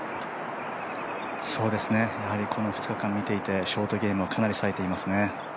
この２日間見ていて、ショートゲームはかなりさえていますね。